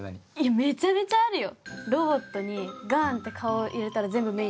めちゃめちゃあるよ！